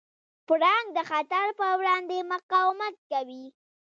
پړانګ د خطر پر وړاندې مقاومت کوي.